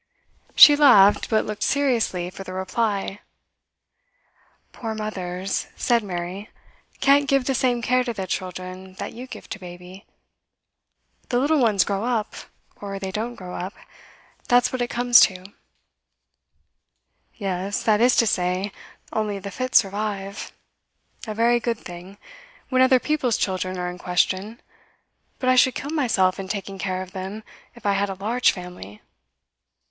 She laughed, but looked seriously for the reply. 'Poor mothers,' said Mary, 'can't give the same care to their children that you give to baby. The little ones grow up, or they don't grow up that's what it comes to.' 'Yes; that is to say, only the fit survive. A very good thing when other people's children are in question. But I should kill myself in taking care of them, if I had a large family.